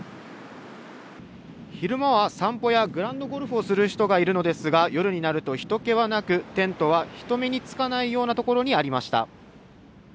昼間は散歩やグラウンドゴルフをする人がいるのですが、夜になるとひと気はなく、テントは人目につかないような所にありました。